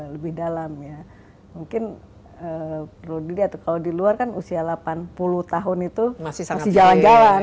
lebih dalam ya mungkin perlu dilihat kalau di luar kan usia delapan puluh tahun itu masih jalan jalan